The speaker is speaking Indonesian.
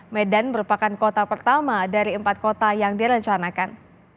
medan merupakan kota pertama dari empat kota yang direncanakan